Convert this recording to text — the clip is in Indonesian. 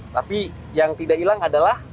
tapi yang tidak hilang adalah